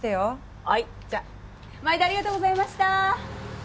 毎度ありがとうございました。